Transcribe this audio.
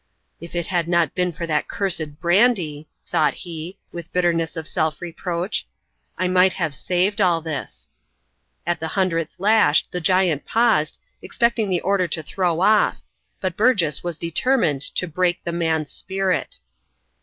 "If it had not been for that cursed brandy," thought he, with bitterness of self reproach, "I might have saved all this." At the hundredth lash, the giant paused, expecting the order to throw off, but Burgess was determined to "break the man's spirit".